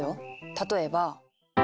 例えば。